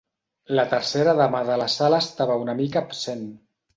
La tercera dama de la sala estava una mica absent.